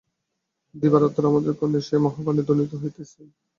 দিবারাত্র আমাদের কর্ণে সেই মহাবাণী ধ্বনিত হইতেছে।